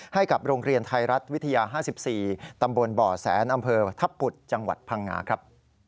ให้กับโรงเรียนไทยรัฐวิทยา๕๔ตำบลบ่อแสนอำเภอทัพปุดจังหวัดพังงาครับ